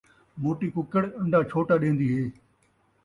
موٹی ککِڑ ان٘ڈا چھوٹا ݙین٘دی ہے